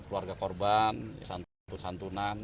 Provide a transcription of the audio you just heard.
ada keluarga korban santun santunan